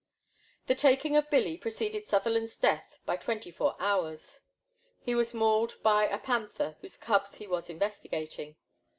The taking of Billy preceded Sutherland's death by twenty four hours; he was mauled by a pan ther whose cubs he was investigating.